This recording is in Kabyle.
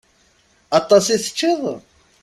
Aṭas i teččiḍ?